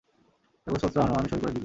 কাগজপত্র আনো, আমি সই করে দিব।